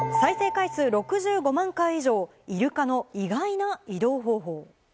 再生回数６５万回以上、イルカの意外な移動方法。